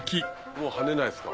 もう跳ねないですか？